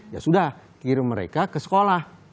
ya sudah kirim mereka ke sekolah